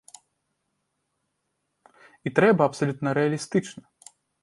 І гэта абсалютна рэалістычна.